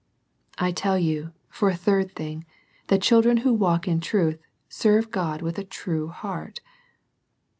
I tell you, for a third thing, that children who walk in truth serve God with a true heart.